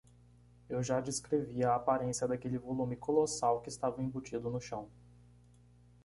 Eu já descrevi a aparência daquele volume colossal que estava embutido no chão.